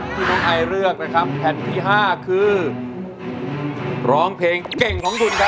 ที่น้องไอเลือกนะครับแผ่นที่๕คือร้องเพลงเก่งของคุณครับ